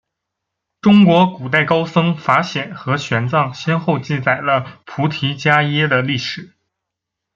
中国古代高僧法显和玄奘先后记载了菩提伽耶的历史。